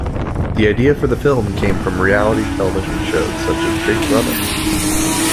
The idea for the film came from reality television shows such as "Big Brother".